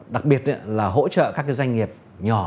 đặc biệt là hỗ trợ các doanh nghiệp nhỏ